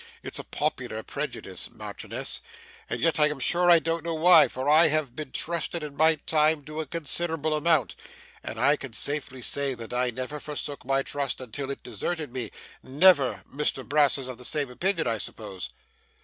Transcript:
It's a popular prejudice, Marchioness; and yet I am sure I don't know why, for I have been trusted in my time to a considerable amount, and I can safely say that I never forsook my trust until it deserted me never. Mr Brass is of the same opinion, I suppose?